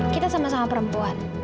kita sama sama perempuan